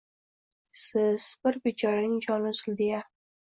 —Esiz... Bir bechoraning joni uzildi-ya...